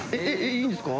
◆いいんですか。